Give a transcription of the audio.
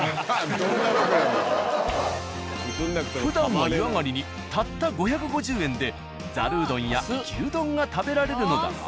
ふだんは湯上がりにたった５５０円でざるうどんや牛丼が食べられるのだが。